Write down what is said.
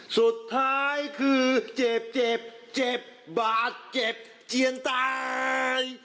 สุดท้ายคือเจ็บเจ็บเจ็บบาดเจ็บเจียนตาย